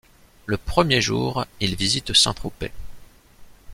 Le premier jour, ils visitent Saint-Tropez.